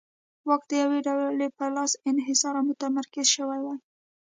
واک د یوې ډلې په لاس انحصار او متمرکز شوی وای.